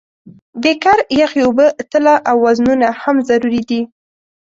بیکر، یخې اوبه، تله او وزنونه هم ضروري دي.